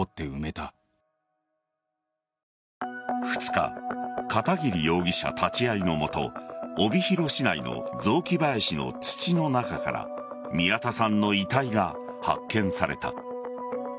２日、片桐容疑者立ち会いのもと帯広市内の雑木林の土の中から宮田さんの遺体が発見された。